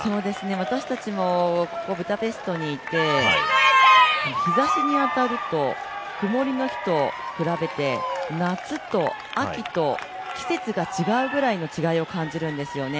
私たちもここブダペストにいて、日ざしに当たると曇りの日と比べて、夏と秋と季節が違うぐらいの違いを感じるんですよね。